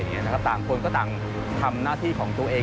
ต่างคนก็ต่างทำหน้าที่ของตัวเอง